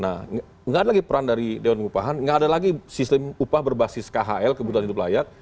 nah nggak ada lagi peran dari dewan pengupahan nggak ada lagi sistem upah berbasis khl kebutuhan hidup layak